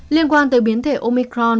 liên quan tới biến thể omicron